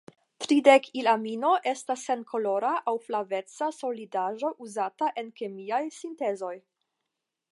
Tridekilamino estas senkolora aŭ flaveca solidaĵo uzata en kemiaj sintezoj.